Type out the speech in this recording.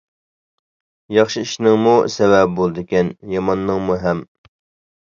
ياخشى ئىشنىڭمۇ سەۋەبى بولىدىكەن، ياماننىڭمۇ ھەم.